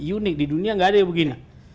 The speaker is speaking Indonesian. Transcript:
unik di dunia nggak ada yang begini